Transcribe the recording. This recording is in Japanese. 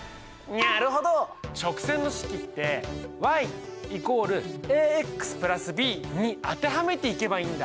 直線の式ってに当てはめていけばいいんだ。